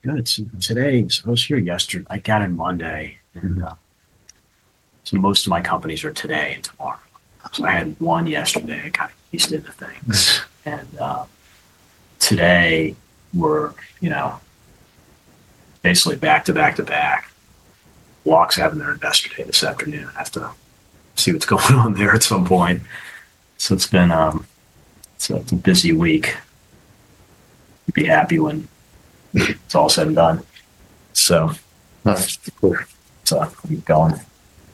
Good. Good. Today—I was here yesterday. I got in Monday, and most of my companies are today and tomorrow. I had one yesterday. I kind of eased into things. Today we're, you know, basically back-to-back-to-back. Walks happened there yesterday, this afternoon. I have to see what's going on there at some point. It's been, it's a busy week. Be happy when it's all said and done. Cool. I'm going.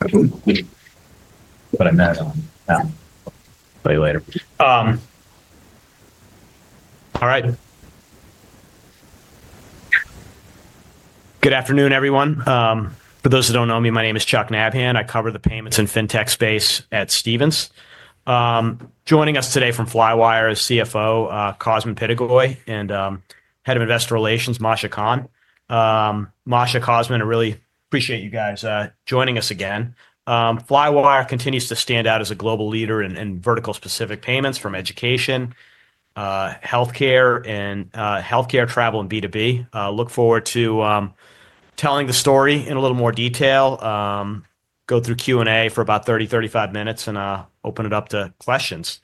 I met, yeah. See you later. All right. Good afternoon, everyone. For those who don't know me, my name is Chuck Navin. I cover the payments and fintech space at Stifel. Joining us today from Flywire is CFO, Cosmin Pitigoi, and Head of Investor Relations, Masha Kahn. Masha, Cosmin, I really appreciate you guys joining us again. Flywire continues to stand out as a global leader in vertical-specific payments from education, healthcare, travel, and B2B. Look forward to telling the story in a little more detail. Go through Q&A for about 30-35 minutes and open it up to questions.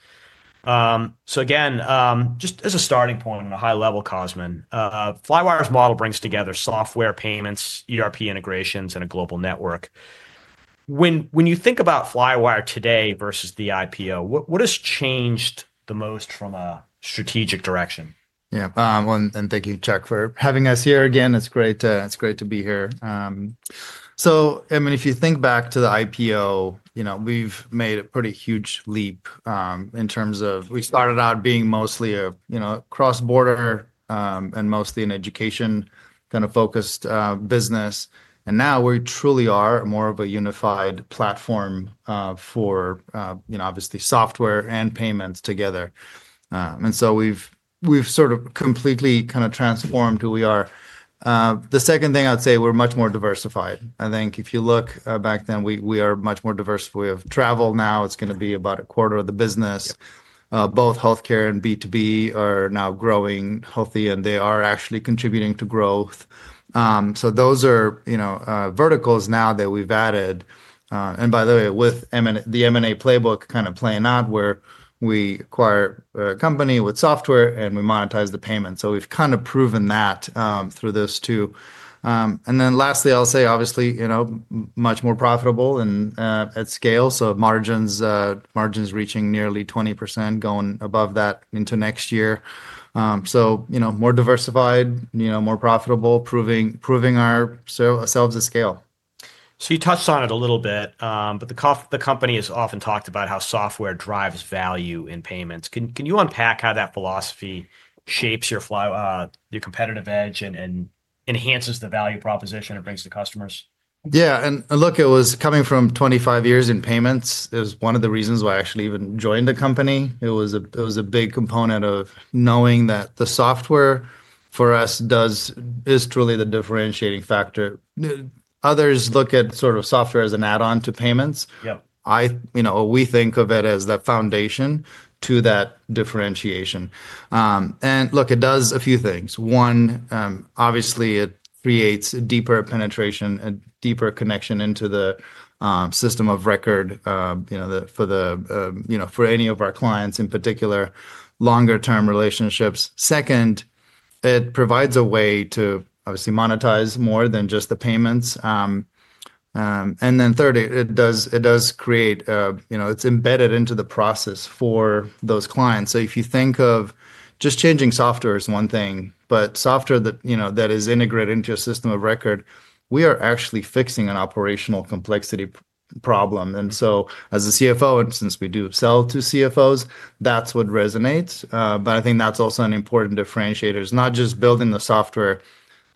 Just as a starting point on a high level, Cosmin, Flywire's model brings together software payments, ERP integrations, and a global network. When you think about Flywire today versus the IPO, what has changed the most from a strategic direction? Yeah, and thank you, Chuck, for having us here again. It's great to be here. I mean, if you think back to the IPO, you know, we've made a pretty huge leap in terms of we started out being mostly a, you know, cross-border and mostly an education kind-of-focused, business. Now we truly are more of a unified platform, for, you know, obviously software and payments together. And so, we've sort of completely kind of transformed who we are. The second thing I'd say, we're much more diversified. I think if you look back then, we are much more diverse. We have travel. Now it's gonna be about a quarter of the business. Both healthcare and B2B are now growing healthy, and they are actually contributing to growth. Those are, you know, verticals now that we've added. And by the way, with M&A, the M&A playbook kind of playing out where we acquire a company with software, and we monetize the payment. So we've kind of proven that through those two. And then lastly, I'll say, obviously, you know, much more profitable and, at scale. So margins, margins reaching nearly 20%, going above that into next year. You know, more diversified, you know, more profitable, proving, proving ourselves at scale. You touched on it a little bit, but the company has often talked about how software drives value in payments. Can you unpack how that philosophy shapes your Flywire, your competitive edge, and enhances the value proposition it brings to customers? Yeah. Look, it was coming from 25 years in payments. It was one of the reasons why I actually even joined the company. It was a big component of knowing that the software for us does is truly the differentiating factor. Others look at sort of software as an add-on to payments. Yep. I, you know, we think of it as the foundation to that differentiation. And look, it does a few things. One, obviously it creates a deeper penetration, a deeper connection into the system of record, you know, for any of our clients in particular, longer-term relationships. Second, it provides a way to obviously monetize more than just the payments. And then third, it does—it does create, you know, it's embedded into the process for those clients. If you think of just changing software is one thing, but software that, you know, that is integrated into a system of record, we are actually fixing an operational complexity problem. As a CFO, and since we do sell to CFOs, that's what resonates. I think that's also an important differentiator. It's not just building the software.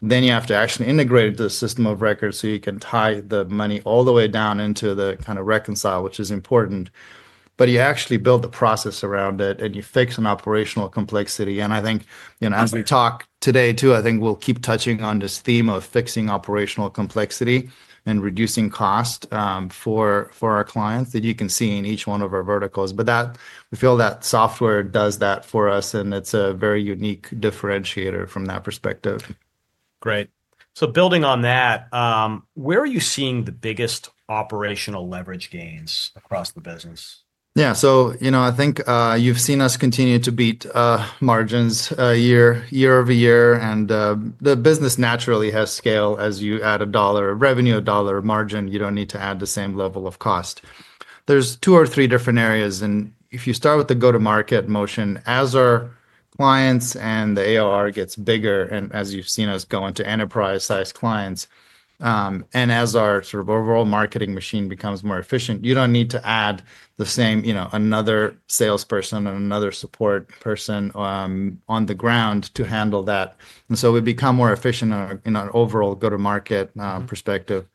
You have to actually integrate it to the system of record so you can tie the money all the way down into the kind of reconcile, which is important. You actually build the process around it and you fix an operational complexity. I think, you know, as we talk today too, I think we'll keep touching on this theme of fixing operational complexity and reducing cost for our clients that you can see in each one of our verticals. We feel that software does that for us, and it's a very unique differentiator from that perspective. Great. Building on that, where are you seeing the biggest operational leverage gains across the business? Yeah. You know, I think you've seen us continue to beat margins year-over-year. The business naturally has scale. As you add a dollar of revenue, a dollar of margin, you don't need to add the same level of cost. There are two or three different areas. If you start with the go-to-market motion, as our clients and the ARR gets bigger, and as you've seen us go into enterprise-sized clients, and as our sort of overall marketing machine becomes more efficient, you don't need to add the same, you know, another salesperson and another support person on the ground to handle that. We become more efficient in our overall go-to-market perspective.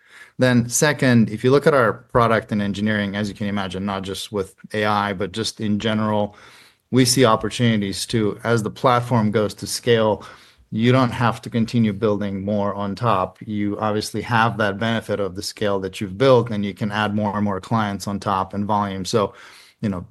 Second, if you look at our product and engineering, as you can imagine, not just with AI, but just in general, we see opportunities to, as the platform goes to scale, you do not have to continue building more on top. You obviously have that benefit of the scale that you have built, and you can add more and more clients on top and volume. You know,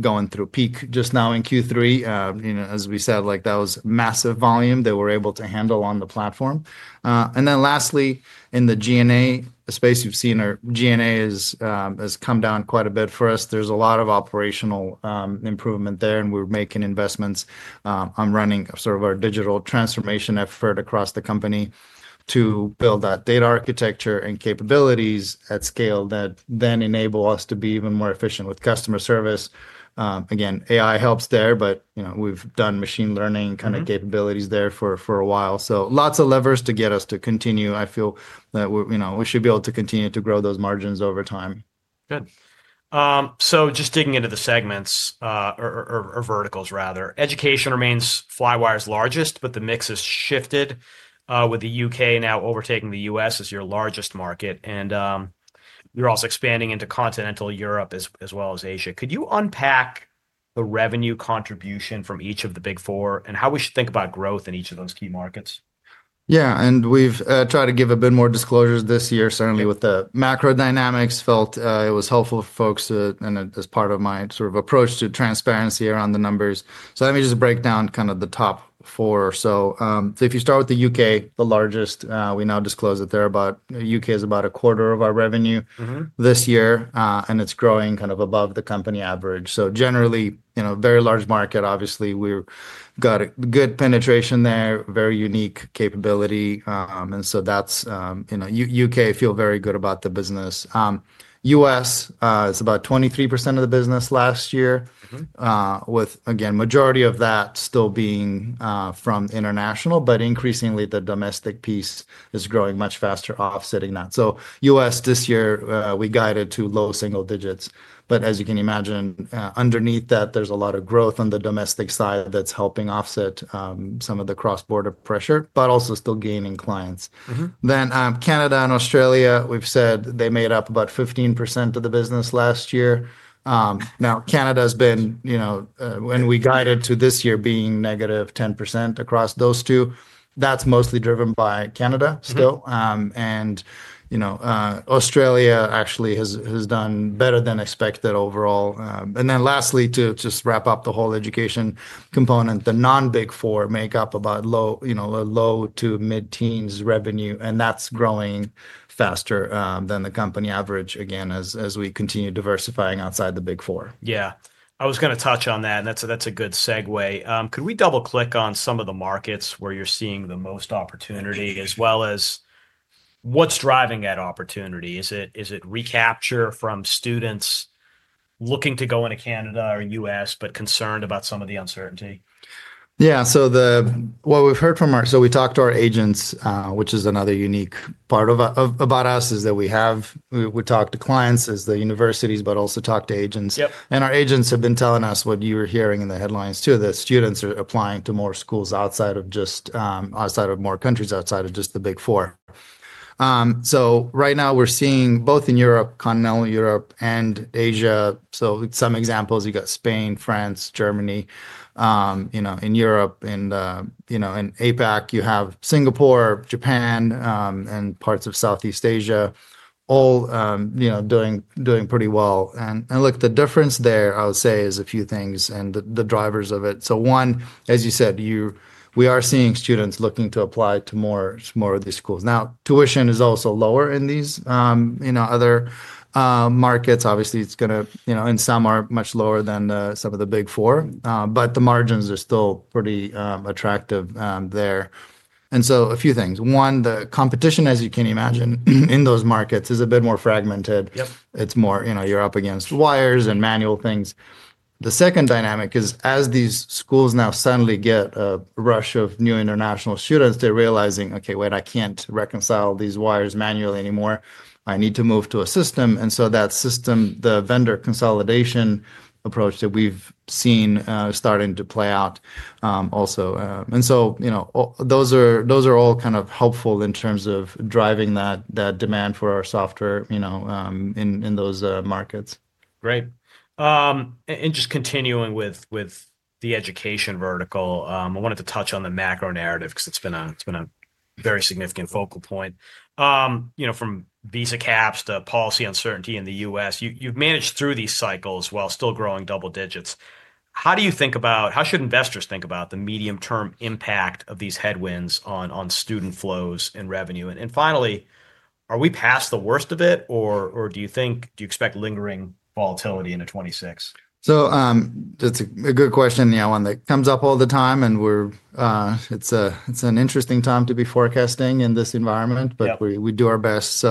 going through peak just now in Q3, you know, as we said, like that was massive volume that we are able to handle on the platform. Lastly, in the G&A space, you have seen our G&A's has come down quite a bit for us. There's a lot of operational improvement there, and we're making investments on running sort of our digital transformation effort across the company to build that data architecture and capabilities at scale that then enable us to be even more efficient with customer service. Again, AI helps there, but, you know, we've done machine learning kind of capabilities there for a while. So lots of levers to get us to continue. I feel that we're, you know, we should be able to continue to grow those margins over time. Good. Just digging into the segments, or, or verticals rather, education remains Flywire's largest, but the mix has shifted, with the U.K. now overtaking the U.S. as your largest market. You're also expanding into continental Europe as well as Asia. Could you unpack the revenue contribution from each of the big four and how we should think about growth in each of those key markets? Yeah. And we've tried to give a bit more disclosures this year, certainly with the macro dynamics. Felt it was helpful for folks to, and as part of my sort of approach to transparency around the numbers. Let me just break down kind of the top four or so. If you start with the U.K., the largest, we now disclose that they're about, U.K. is about a quarter of our revenue. Mm-hmm. This year, and it's growing kind of above the company average. Generally, you know, very large market, obviously we've got a good penetration there, very unique capability. You know, U.K. feel very good about the business. U.S., it's about 23% of the business last year. Mm-hmm. With, again, majority of that still being from international, but increasingly the domestic piece is growing much faster, offsetting that. U.S. this year, we guided to low single digits. As you can imagine, underneath that, there's a lot of growth on the domestic side that's helping offset some of the cross-border pressure, but also still gaining clients. Mm-hmm. Canada and Australia, we've said they made up about 15% of the business last year. Now Canada's been, you know, when we guided to this year being negative 10% across those two, that's mostly driven by Canada still. Mm-hmm. and, you know, Australia actually has, has done better than expected overall. and then lastly, to just wrap up the whole education component, the non-big four make up about low, you know, low to mid-teens revenue, and that's growing faster than the company average, again, as, as we continue diversifying outside the big four. Yeah. I was gonna touch on that, and that's a good segue. Could we double-click on some of the markets where you're seeing the most opportunity, as well as what's driving that opportunity? Is it recapture from students looking to go into Canada or U.S., but concerned about some of the uncertainty? Yeah. What we've heard from our, so we talked to our agents, which is another unique part about us, is that we talk to clients as the universities, but also talk to agents. Yep. Our agents have been telling us what you were hearing in the headlines too, that students are applying to more schools outside of just, outside of more countries, outside of just the big four. Right now we're seeing both in Europe, continental Europe, and Asia. Some examples: you got Spain, France, Germany, you know, in Europe, and, you know, in APAC, you have Singapore, Japan, and parts of Southeast Asia, all, you know, doing, doing pretty well. Look, the difference there, I'll say, is a few things and the drivers of it. One, as you said, we are seeing students looking to apply to more, more of these schools. Now, tuition is also lower in these, you know, other markets. Obviously, it's gonna, you know, and some are much lower than some of the big four. The margins are still pretty attractive there. A few things. One, the competition, as you can imagine, in those markets is a bit more fragmented. Yep. It's more, you know, you're up against wires and manual things. The second dynamic is as these schools now suddenly get a rush of new international students, they're realizing, okay, wait, I can't reconcile these wires manually anymore. I need to move to a system. That system, the vendor consolidation approach that we've seen, is starting to play out also. You know, those are all kind of helpful in terms of driving that demand for our software, you know, in those markets. Great. And just continuing with the education vertical, I wanted to touch on the macro narrative 'cause it's been a, it's been a very significant focal point. You know, from visa caps to policy uncertainty in the U.S., you've managed through these cycles while still growing double digits. How do you think about, how should investors think about the medium-term impact of these headwinds on student flows and revenue? And finally, are we past the worst of it, or do you think—do you expect—lingering volatility into 2026? That's a good question. Yeah. One that comes up all the time, and we're, it's an interesting time to be forecasting in this environment. Yep. We do our best.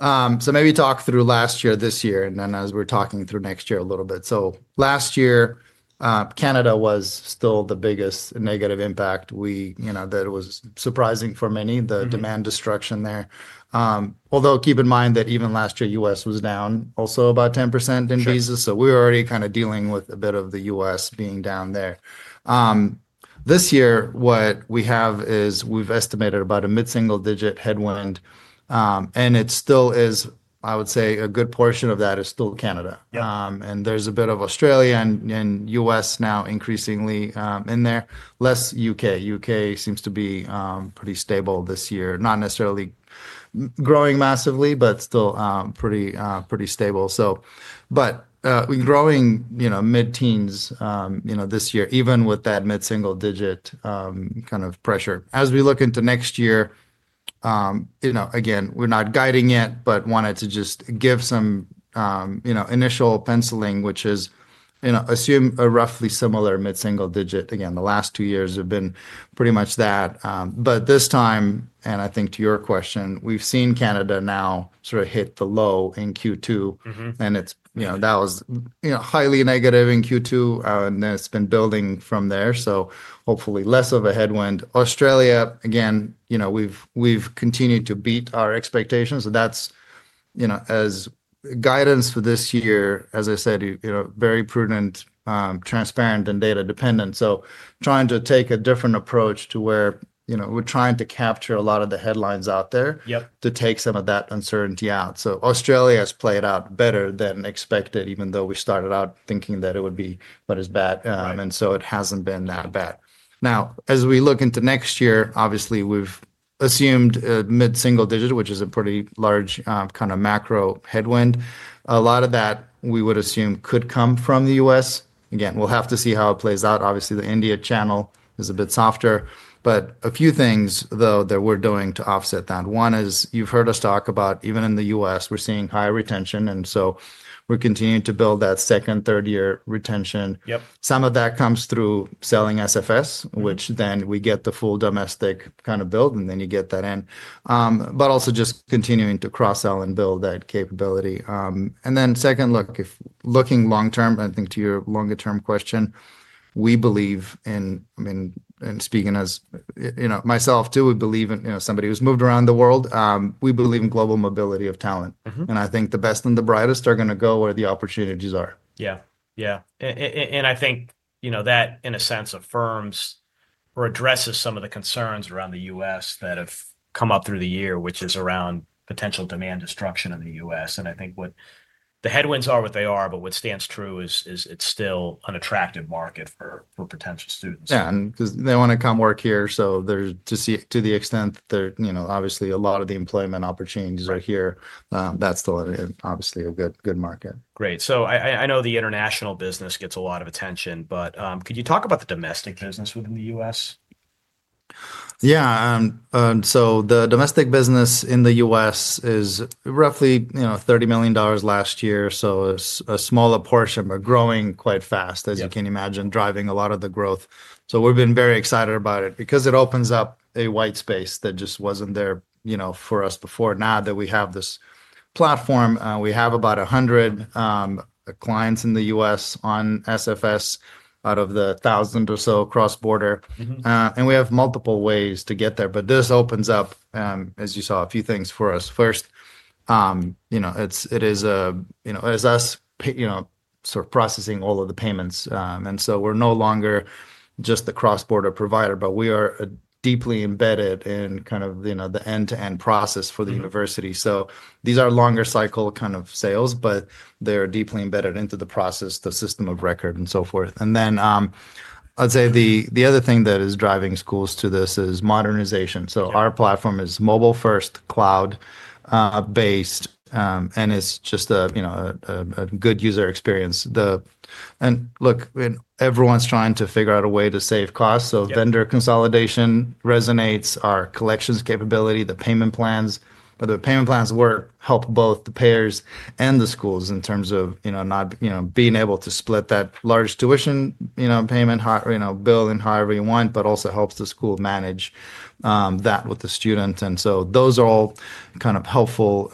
Maybe talk through last year, this year, and then, as we're talking through next year, a little bit. Last year, Canada was still the biggest negative impact. You know, that was surprising for many, the demand destruction there. Although keep in mind that even last year U.S. was down also about 10% in visas. Sure. We were already kind of dealing with a bit of the U.S. being down there. This year what we have is we've estimated about a mid-single digit headwind. It still is, I would say a good portion of that is still Canada. Yeah. There's a bit of Australia and U.S. now increasingly in there, less U.K. U.K. seems to be pretty stable this year, not necessarily growing massively, but still pretty, pretty stable. Growing, you know, mid-teens, you know, this year, even with that mid-single-digit kind of pressure. As we look into next year, you know, again, we're not guiding yet, but wanted to just give some, you know, initial penciling, which is, you know, assume a roughly similar mid-single digit. Again, the last two years have been pretty much that. This time, and I think to your question, we've seen Canada now sort of hit the low in Q2. Mm-hmm. It's, you know, that was, you know, highly negative in Q2, and then it's been building from there. Hopefully less of a headwind. Australia, again, you know, we've continued to beat our expectations. That's, you know, as guidance for this year, as I said, very prudent, transparent, and data dependent. Trying to take a different approach to where, you know, we're trying to capture a lot of the headlines out there. Yep. To take some of that uncertainty out. Australia has played out better than expected, even though we started out thinking that it would be as bad. Mm-hmm. And so, it hasn't been that bad. Now, as we look into next year, obviously we've assumed a mid-single digit, which is a pretty large, kind of macro headwind. A lot of that, we would assume, could come from the U.S. Again, we'll have to see how it plays out. Obviously, the India channel is a bit softer, but a few things though that we're doing to offset that. One is you've heard us talk about, even in the U.S., we're seeing high retention. And so we're continuing to build that second, third year retention. Yep. Some of that comes through selling SFS, which then we get the full domestic kind of build, and then you get that in. Also, just continuing to cross-sell and build that capability. Second, look, if looking long term, I think to your longer-term question, we believe in, I mean, in speaking as, you know, myself too, we believe in, you know, somebody who's moved around the world. We believe in global mobility of talent. Mm-hmm. I think the best and the brightest are gonna go where the opportunities are. Yeah. Yeah. I think, you know, that in a sense affirms or addresses some of the concerns around the U.S. that have come up through the year, which is around potential demand destruction in the U.S. I think the headwinds are what they are, but what stands true is, is it's still an attractive market for, for potential students. Yeah. 'Cause they wanna come work here. To see to the extent that they're, you know, obviously a lot of the employment opportunities are here, that's still obviously a good, good market. Great. I know the international business gets a lot of attention, but could you talk about the domestic business within the U.S.? Yeah. So the domestic business in the U.S. is roughly, you know, $30 million last year. So it's a smaller portion, but growing quite fast. Yeah. As you can imagine, driving a lot of the growth. We have been very excited about it because it opens up a white space that just was not there, you know, for us before. Now that we have this platform, we have about 100 clients in the U.S. on SFS out of the 1,000 or so cross-border. Mm-hmm. We have multiple ways to get there, but this opens up, as you saw, a few things for us. First, you know, it's, it is a, you know, as us, you know, sort of processing all of the payments. We are no longer just the cross-border provider, but we are deeply embedded in kind of, you know, the end-to-end process for the university. These are longer-cycle kind of sales, but they're deeply embedded into the process, the system of record, and so forth. I'd say the other thing that is driving schools to this is modernization. Our platform is mobile-first, cloud-based, and it's just a, you know, a good user experience. Look, everyone's trying to figure out a way to save costs. Vendor consolidation resonates, our collections capability, the payment plans, but the payment plans work help both the payers and the schools in terms of, you know, not, you know, being able to split that large tuition, you know, payment, how, you know, bill and however you want, but also helps the school manage that with the students. Those are all kind of helpful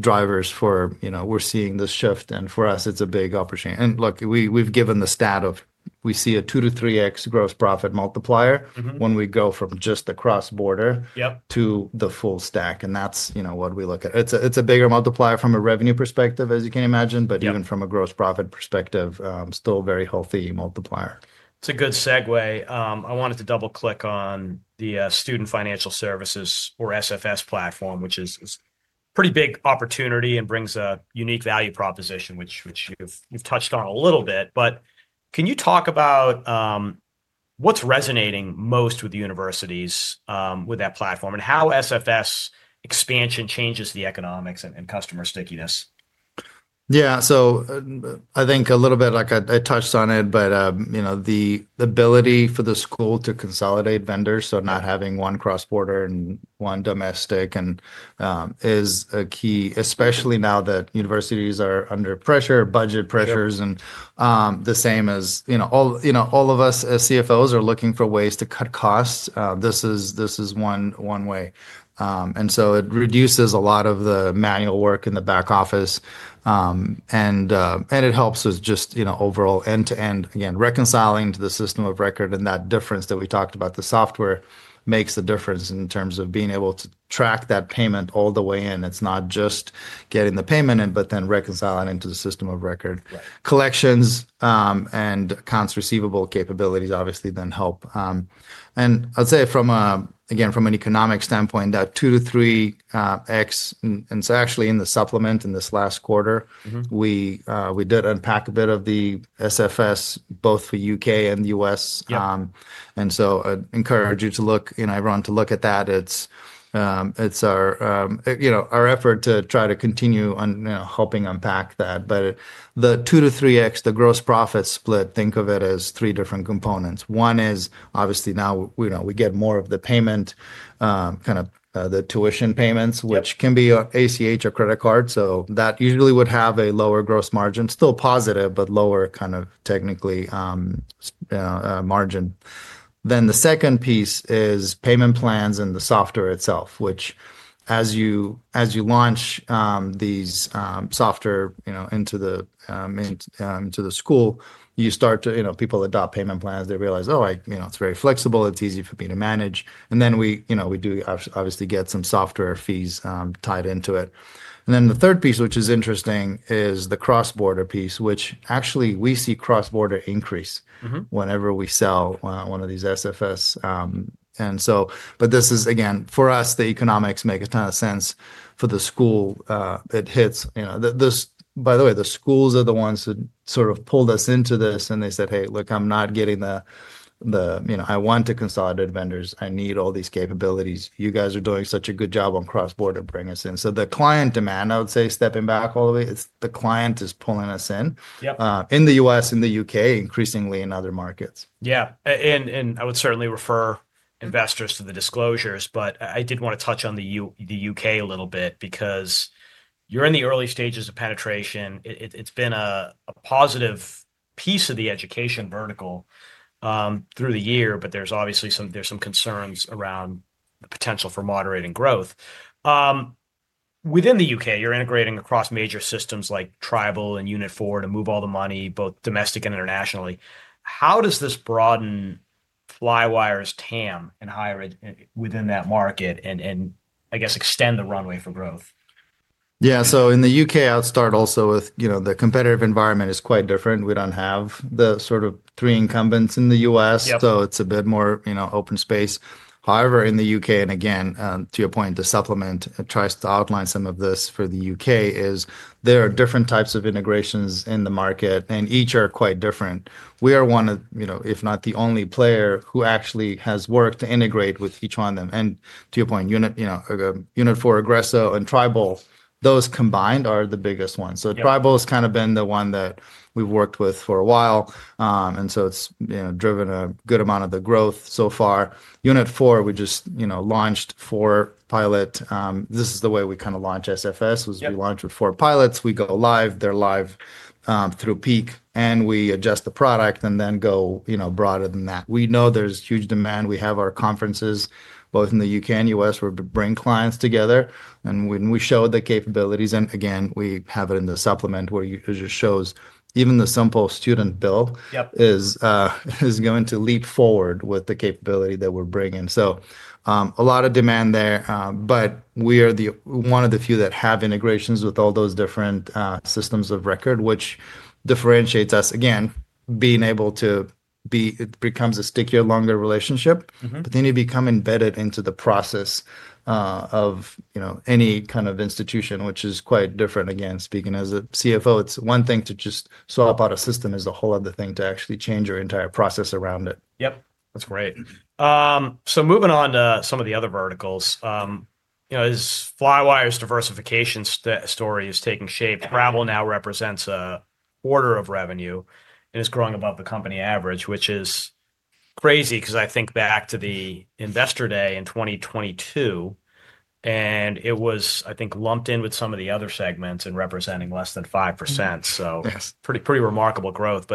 drivers for, you know, we're seeing this shift, and for us it's a big opportunity. Look, we've given the stat of we see a 2-3x gross profit multiplier. Mm-hmm. When we go from just the cross-border. Yep. To the full stack. That's, you know, what we look at. It's a bigger multiplier from a revenue perspective, as you can imagine, but even from a gross profit perspective, still very healthy multiplier. It's a good segue. I wanted to double-click on the Student Financial Services, or SFS, platform, which is pretty big opportunity and brings a unique value proposition, which you've touched on a little bit. Can you talk about what's resonating most with the universities with that platform and how SFS expansion changes the economics and customer stickiness? Yeah. I think a little bit like I touched on it, but, you know, the ability for the school to consolidate vendors, so not having one cross-border and one domestic, is a key, especially now that universities are under budget pressures. Sure. The same as, you know, all, you know, all of us as CFOs are looking for ways to cut costs. This is, this is one way. It reduces a lot of the manual work in the back office, and it helps us just, you know, overall end-to-end, again, reconciling to the system of record and that difference that we talked about. The software makes a difference in terms of being able to track that payment all the way in. It's not just getting the payment in but then reconciling into the system of record. Right. Collections and accounts receivable capabilities obviously then help. I'd say from a, again, from an economic standpoint, that two to three X, and so actually in the supplement in this last quarter. Mm-hmm. We did unpack a bit of the SFS both for U.K. and U.S. Yeah. I encourage you to look, you know, everyone to look at that. It's our, you know, our effort to try to continue on, you know, helping unpack that. The two to three X, the gross profit split—think of it as three different components. One is obviously now we, you know, we get more of the payment, kind of, the tuition payments. Sure. Which can be ACH or credit card. That usually would have a lower gross margin, still positive, but lower kind of technically, margin. The second piece is payment plans and the software itself, which, as you launch this software, you know, into the school, you start to, you know, people adopt payment plans, they realize, "Oh, I, you know, it's very flexible, it's easy for me to manage". We do obviously get some software fees tied into it. The third piece, which is interesting, is the cross-border piece, which actually we see cross-border increase. Mm-hmm. Whenever we sell one of these SFS, the economics make a ton of sense for the school. It hits, you know, by the way, the schools are the ones that sort of pulled us into this and they said, "Hey, look, I'm not getting the, you know, I want to consolidate vendors. I need all these capabilities. You guys are doing such a good job on cross-border; bring us in." The client demand, I would say, stepping back all the way, it's the client is pulling us in. Yep. in the U.S., in the U.K., increasingly in other markets. Yeah. I would certainly refer investors to the disclosures, but I did want to touch on the U.K. a little bit because you're in the early stages of penetration. It's been a positive piece of the education vertical through the year, but there's obviously some concerns around the potential for moderating growth. Within the U.K., you're integrating across major systems like Tribal and Unit4 to move all the money, both domestic and internationally. How does this broaden Flywire's TAM and higher ed within that market and, I guess, extend the runway for growth? Yeah. In the U.K., I'll start also with, you know, the competitive environment is quite different. We don't have the sort of three incumbents in the U.S. Yep. It is a bit more, you know, open space. However, in the U.K., and again, to your point, the supplement, it tries to outline some of this for the U.K. is there are different types of integrations in the market, and each are quite different. We are one of, you know, if not the only player who actually has worked to integrate with each one of them. And to your point, Unit4, Aggresso, and Tribal—those combined are the biggest ones. Sure. Tribal has kind of been the one that we've worked with for a while, and so it's, you know, driven a good amount of the growth so far. Unit4, we just, you know, launched four pilot. This is the way we kind of launch SFS was we launched with four pilots. We go live, they're live, through peak and we adjust the product and then go, you know, broader than that. We know there's huge demand. We have our conferences both in the U.K. and U.S. where we bring clients together, and when we show the capabilities, and again, we have it in the supplement, where it just shows even the simple student bill. Yep. Is going to leap forward with the capability that we're bringing. A lot of demand there, but we are one of the few that have integrations with all those different systems of record, which differentiates us again. Being able to be, it becomes a stickier, longer relationship. Mm-hmm. Then you become embedded into the process of, you know, any kind of institution, which is quite different. Again, speaking as a CFO, it's one thing to just swap out a system. It is a whole other thing to actually change your entire process around it. Yep. That's great. Moving on to some of the other verticals, you know, as Flywire's diversification story is taking shape, Travel now represents a quarter of revenue and is growing above the company average, which is crazy 'cause I think back to the investor day in 2022, and it was, I think, lumped in with some of the other segments and representing less than 5%. Yes. Pretty, pretty remarkable growth.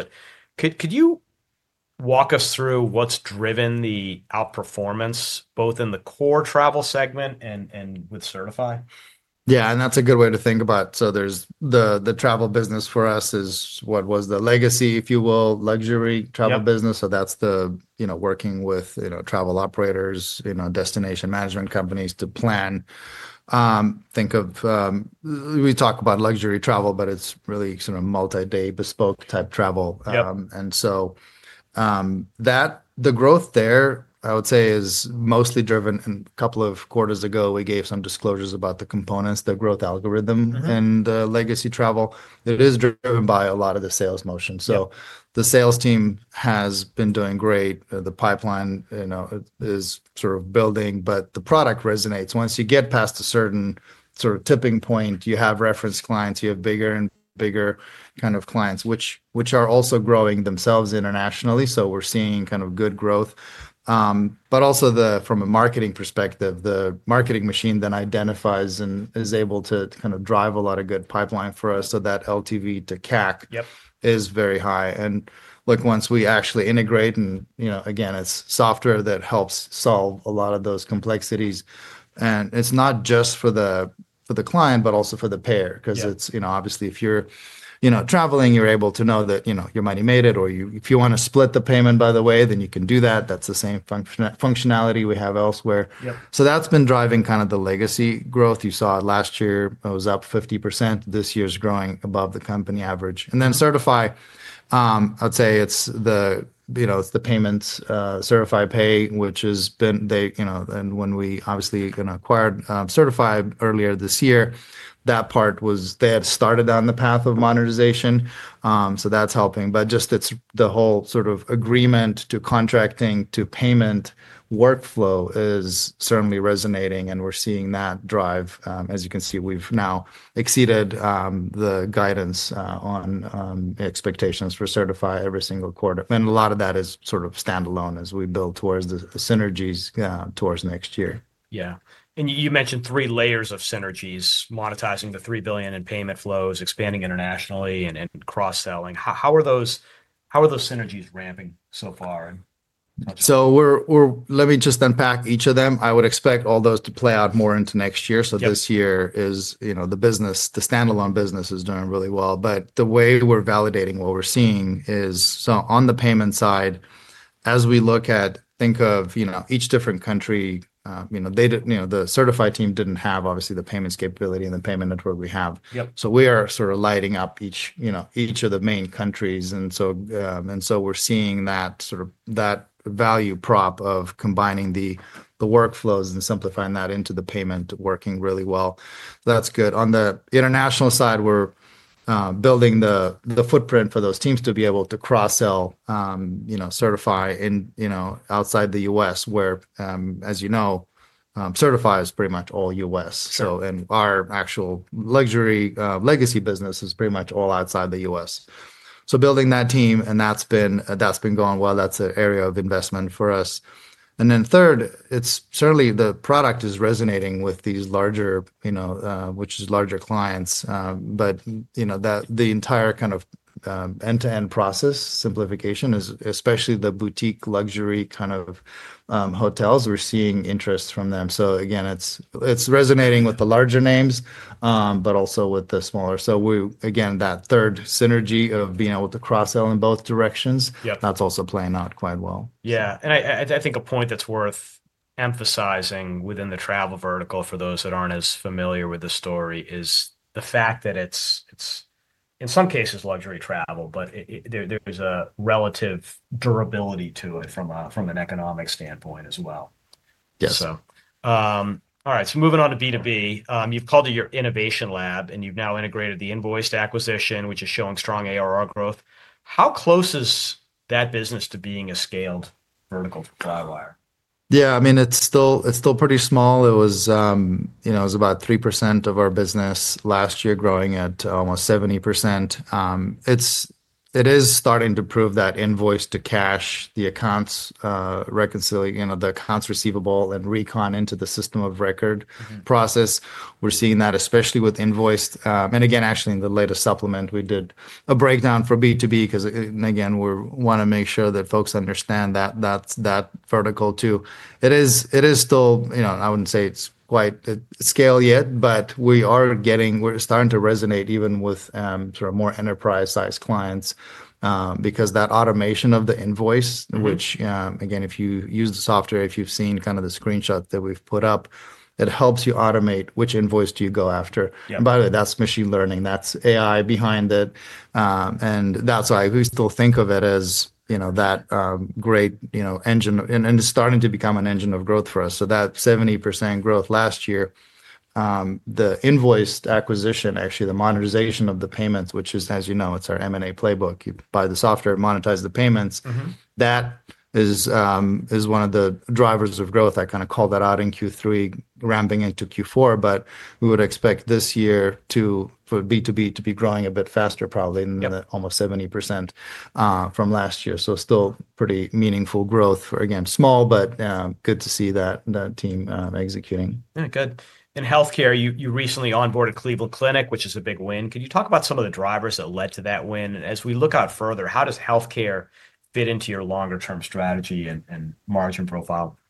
Could you walk us through what's driven the outperformance both in the core travel segment and with Certify? Yeah. That's a good way to think about it. There's the travel business for us, which was the legacy, if you will, luxury travel business. Mm-hmm. That's the, you know, working with, you know, travel operators, you know, destination management companies to plan. Think of, we talk about luxury travel, but it's really sort of multi-day bespoke-type travel. Yep. That the growth there, I would say, is mostly driven in a couple of quarters ago, we gave some disclosures about the components, the growth algorithm. Mm-hmm. The legacy travel that is driven by a lot of the sales motion. Yep. The sales team has been doing great. The pipeline, you know, is sort of building, but the product resonates. Once you get past a certain sort of tipping point, you have reference clients, you have bigger and bigger kind of clients, which are also growing themselves internationally. We are seeing kind of good growth. Also, from a marketing perspective, the marketing machine then identifies and is able to kind of drive a lot of good pipeline for us. That LTV to CAC. Yep. Is very high. Look, once we actually integrate and, you know, again, it's software that helps solve a lot of those complexities. It's not just for the client but also for the payer. Mm-hmm. 'Cause it's, you know, obviously if you're, you know, traveling, you're able to know that, you know, your money made it or if you wanna split the payment, by the way, then you can do that. That's the same functionality we have elsewhere. Yep. That's been driving kind of the legacy growth. You saw it last year; it was up 50%. This year is growing above the company average. Certify, I'd say it's the, you know, it's the payments, Certify Pay, which has been they, you know, and when we obviously acquired Certify earlier this year, that part was, they had started on the path of monetization. That's helping. Just it's the whole sort of agreement to contracting to payment workflow is certainly resonating, and we're seeing that drive. As you can see, we've now exceeded the guidance on expectations for Certify every single quarter. A lot of that is sort of standalone as we build towards the synergies towards next year. Yeah. You mentioned three layers of synergies; monetizing the $3 billion in payment flows, expanding internationally, and cross-selling. How are those synergies ramping so far? We're, we're—let me just unpack each of them. I would expect all those to play out more into next year. Yep. This year is, you know, the business, the standalone business; is doing really well. The way we're validating what we're seeing is, on the payment side, as we look at, think of, you know, each different country, you know, they didn't, you know, the Certify team didn't have, obviously, the payments capability and the payment network we have. Yep. We are sort of lighting up each, you know, each of the main countries. And we are seeing that sort of value prop of combining the workflows and simplifying that into the payment working really well. That's good. On the international side, we are building the footprint for those teams to be able to cross-sell, you know, Certify in, you know, outside the US, where, as you know, Certify is pretty much all US. Sure. Our actual luxury, legacy business is pretty much all outside the U.S. Building that team—that's been going well. That's an area of investment for us. Third, certainly the product is resonating with these larger, you know, larger clients. You know, the entire kind of end-to-end process simplification is especially with the boutique luxury kind of hotels, we're seeing interest from them. Again, it's resonating with the larger names, but also with the smaller. We, again, that third synergy of being able to cross-sell in both directions. Yep. That's also playing out quite well. Yeah. I think a point that's worth emphasizing within the travel vertical for those that aren't as familiar with the story is the fact that it's, in some cases, luxury travel, but there's a relative durability to it from an economic standpoint as well. Yes. All right. Moving on to B2B, you've called it your innovation lab, and you've now integrated the Invoiced acquisition, which is showing strong ARR growth. How close is that business to being a scaled vertical for Flywire? Yeah. I mean, it's still, it's still pretty small. It was, you know, it was about 3% of our business last year, growing at almost 70%. It's, it is starting to prove that invoice to cash, the accounts, reconciling, you know, the accounts receivable, and recon into the system of record process. We're seeing that especially with Invoiced. And again, actually in the latest supplement, we did a breakdown for B2B 'cause again, we wanna make sure that folks understand that that's that vertical too. It is, it is still, you know. I wouldn't say it's quite at scale yet, but we are getting, we're starting to resonate even with, sort of, more enterprise-size clients, because that automation of the invoice, which, again, if you use the software, if you've seen kind of the screenshots that we've put up, it helps you automate which invoice do you go after. Yeah. By the way, that's machine learning. That's AI behind it. That's why we still think of it as, you know, that great, you know, engine, and it's starting to become an engine of growth for us. That 70% growth last year, the Invoiced acquisition, actually the monetization of the payments, which is, as you know, it's our M&A playbook. You buy the software, monetize the payments. Mm-hmm. That is one of the drivers of growth. I kind of called that out in Q3, ramping into Q4. We would expect this year, for B2B, to be growing a bit faster, probably, than the almost 70% from last year. Still pretty meaningful growth for, again, small, but good to see that team executing. Yeah. Good. In healthcare, you recently onboarded Cleveland Clinic, which is a big win. Can you talk about some of the drivers that led to that win? As we look out further, how does healthcare fit into your longer-term strategy and margin profile? Yeah.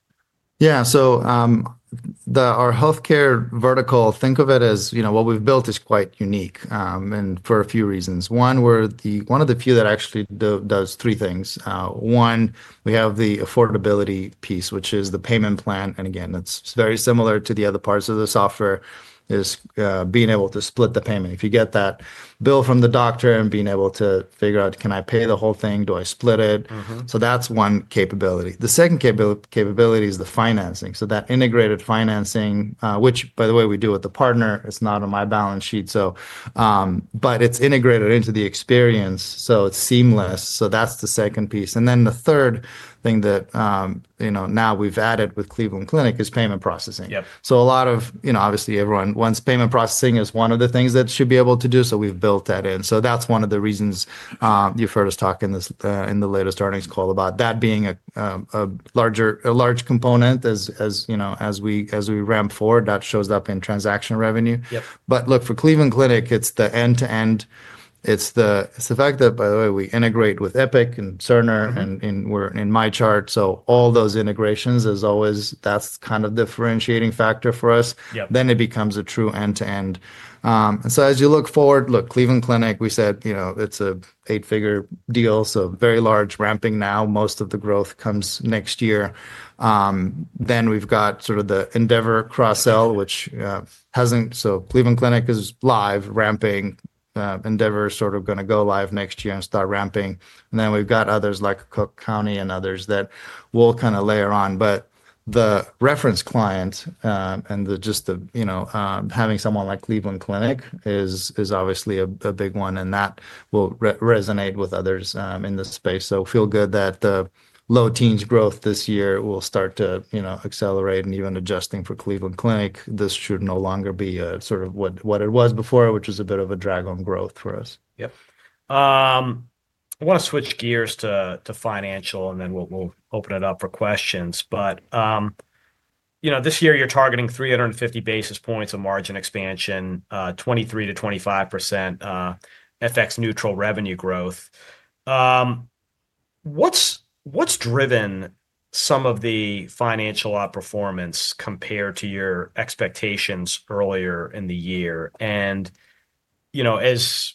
The, our healthcare vertical, think of it as, you know, what we've built is quite unique, and for a few reasons. One, we're one of the few that actually does three things. One, we have the affordability piece, which is the payment plan. And again, it's very similar to the other parts of the software, is being able to split the payment. If you get that bill from the doctor and being able to figure out, can I pay the whole thing? Do I split it? Mm-hmm. That's one capability. The second capability is the financing. That integrated financing, which by the way, we do with the partner, it's not on my balance sheet. It's integrated into the experience, so it's seamless. That's the second piece. The third thing that, you know, now we've added with Cleveland Clinic is payment processing. Yep. A lot of, you know, obviously everyone, once payment processing is one of the things that should be able to do, so we've built that in. That is one of the reasons you've heard us talk in this, in the latest earnings call, about that being a, a larger, a large component as, as, you know, as we, as we ramp forward, that shows up in transaction revenue. Yep. Look, for Cleveland Clinic, it's the end-to-end it's the, it's the fact that, by the way, we integrate with Epic and Cerner, and we're in MyChart. So, all those integrations is always—that's kind of differentiating factor for us. Yep. It becomes a true end-to-end. As you look forward, look, Cleveland Clinic, we said, you know, it's a eight-figure deal. Very large, ramping now. Most of the growth comes next year. Then we've got sort of the Endeavor cross-sell, which hasn't, so Cleveland Clinic is live, ramping, Endeavor sort of gonna go live next year and start ramping. Then we've got others like Cook County and others that we'll kind of layer on. The reference client, and just the, you know, having someone like Cleveland Clinic is obviously a big one, and that will re-resonate with others in this space. Feel good that the low teens growth this year will start to, you know, accelerate and even adjusting for Cleveland Clinic. This should no longer be a sort of what it was before, which was a bit of a drag on growth for us. Yep. I wanna switch gears to financial, and then we'll open it up for questions. But, you know, this year you're targeting 350 basis points of margin expansion, 23%-25% FX-neutral revenue growth. What's driven some of the financial outperformance compared to your expectations earlier in the year? And, you know, as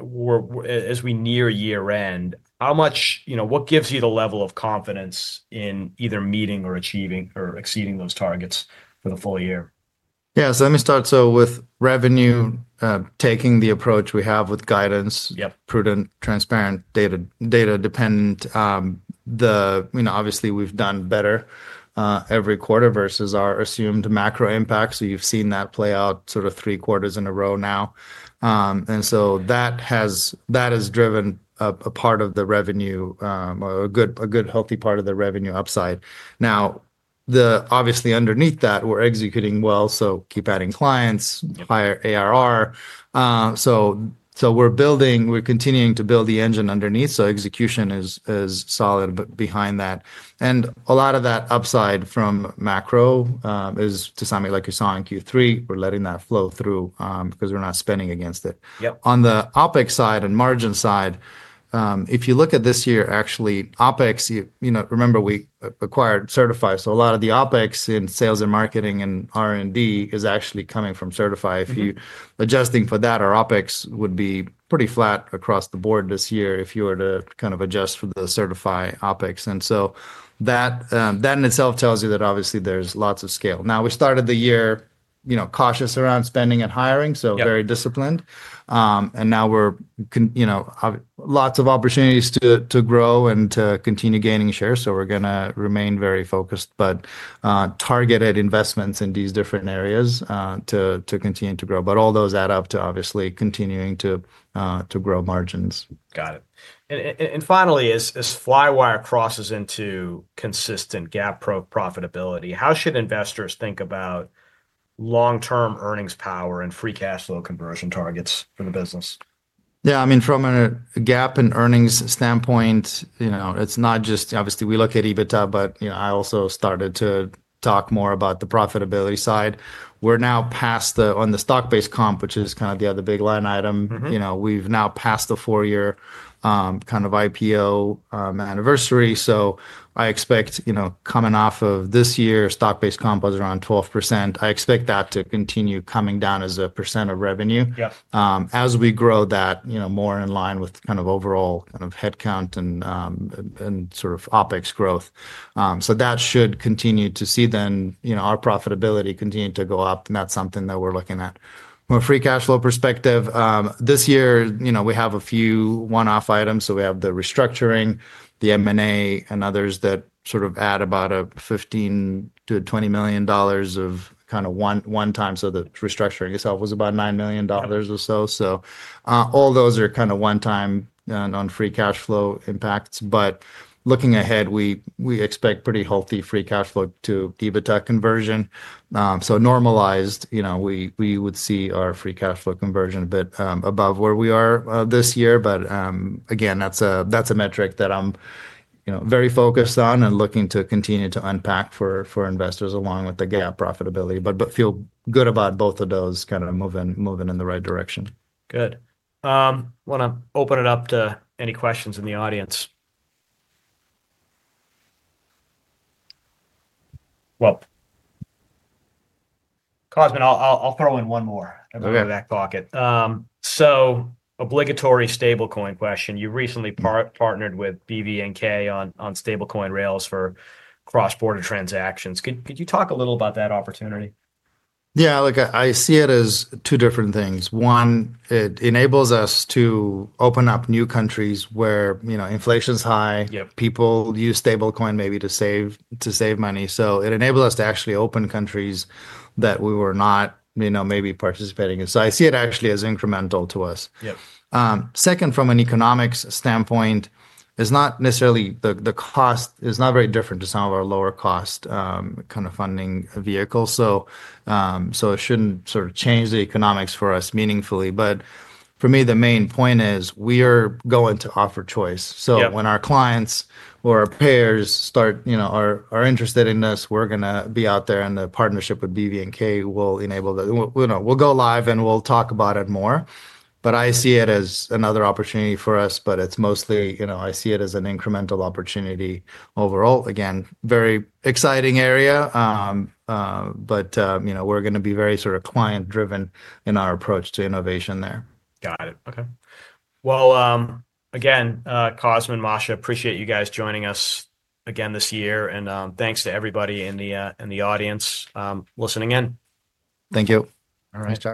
we near year-end, how much, you know, what gives you the level of confidence in either meeting or achieving or exceeding those targets for the full year? Yeah. Let me start. With revenue, taking the approach we have with guidance. Yep. Prudent, transparent, data, data dependent. You know, obviously we've done better every quarter versus our assumed macro impact. You've seen that play out sort of three quarters in a row now. That has driven a part of the revenue, a good, a good healthy part of the revenue upside. Obviously, underneath that we're executing well. Keep adding clients, higher ARR. We're building, we're continuing to build the engine underneath. Execution is solid behind that. A lot of that upside from macro is to something like you saw in Q3, we're letting that flow through, 'cause we're not spending against it. Yep. On the OpEx side and margin side, if you look at this year, actually OpEx, you know, remember we acquired Certify. So a lot of the OpEx in sales and marketing and R&D is actually coming from Certify. If you are adjusting for that, our OpEx would be pretty flat across the board this year if you were to kind of adjust for the Certify OpEx. That in itself tells you that obviously there is lots of scale. Now we started the year, you know, cautious around spending and hiring. Yep. Very disciplined. And now we're, you know, lots of opportunities to grow and to continue gaining shares. We're gonna remain very focused, but targeted investments in these different areas to continue to grow. All those add up to obviously continuing to grow margins. Got it. Finally, as Flywire crosses into consistent GAAP profitability, how should investors think about long-term earnings power and free cash flow conversion targets for the business? Yeah. I mean, from a GAAP and earnings standpoint, you know, it's not just obviously we look at EBITDA, but, you know, I also started to talk more about the profitability side. We're now past the, on the stock-based comp, which is kind of the other big line item. Mm-hmm. You know, we've now passed the four-year, kind of IPO, anniversary. I expect, you know, coming off of this year, stock-based comp was around 12%. I expect that to continue coming down as a percent of revenue. Yep. As we grow that, you know, more in line with kind of overall kind of headcount and, and sort of OpEx growth. That should continue to see then, you know, our profitability continue to go up. That is something that we're looking at from a free cash flow perspective. This year, you know, we have a few one-off items. We have the restructuring, the M and A, and others that sort of add about a $15-$20 million of kind of one, one time. The restructuring itself was about $9 million or so. All those are kind of one-time, non-free cash flow impacts. Looking ahead, we expect pretty healthy free cash flow to EBITDA conversion. Normalized, you know, we would see our free cash flow conversion a bit above where we are this year. Again, that's a metric that I'm, you know, very focused on and looking to continue to unpack for investors along with the gap profitability. But feel good about both of those kind of moving, moving in the right direction. Good. Wanna open it up to any questions in the audience? Cosmin, I'll throw in one more. Okay. Out of that pocket. Obligatory stablecoin question. You recently partnered with BVNK on stablecoin rails for cross-border transactions. Could you talk a little about that opportunity? Yeah. Look, I see it as two different things. One, it enables us to open up new countries where, you know, inflation's high. Yep. People use stablecoin maybe to save, to save money. It enables us to actually open countries that we were not, you know, maybe participating in. I see it actually as incremental to us. Yep. Second, from an economics standpoint, it's not necessarily the cost is not very different to some of our lower cost, kind of funding vehicles. It shouldn't sort of change the economics for us meaningfully. For me, the main point is we are going to offer choice. Yep. When our clients or our payers start, you know, are interested in us, we're gonna be out there and the partnership with BVNK will enable the, you know, we'll go live and we'll talk about it more. I see it as another opportunity for us, but it's mostly, you know, I see it as an incremental opportunity overall. Again, very exciting area. You know, we're gonna be very sort of client-driven in our approach to innovation there. Got it. Okay. Again, Cosmin, Masha, appreciate you guys joining us again this year. Thanks to everybody in the audience, listening in. Thank you. All right. All right.